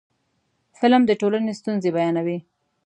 فلم د ټولنې ستونزې بیانوي